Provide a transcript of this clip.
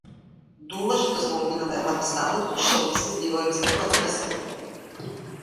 Důležitost volby nové hlavy státu totiž souvisí s vývojem situace ve světě.